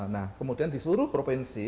nah kemudian di seluruh provinsi